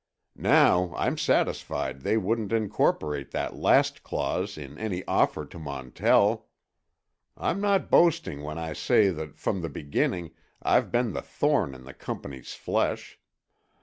Now I'm satisfied they wouldn't incorporate that last clause in any offer to Montell. I'm not boasting when I say that from the beginning I've been the thorn in the Company's flesh.